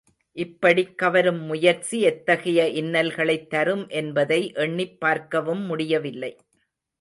இப்படிக் கவரும் முயற்சி எத்தகைய இன்னல்களைத் தரும் என்பதை எண்ணிப் பார்க்கவும் முடியவில்லை.